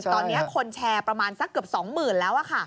ตอนนี้คนแชร์ประมาณสักเกือบ๒๐๐๐แล้วค่ะ